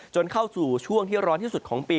เข้าสู่ช่วงที่ร้อนที่สุดของปี